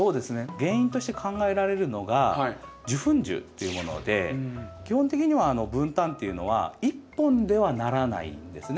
原因として考えられるのが受粉樹というもので基本的にはブンタンっていうのは１本ではならないんですね。